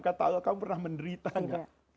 kata allah kamu pernah menderita gak